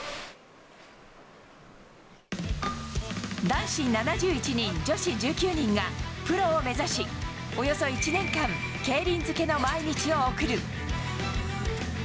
男子７１人、女子１９人が、プロを目指し、およそ１年間、競輪づけの毎日を送る。